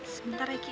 sebentar lagi ah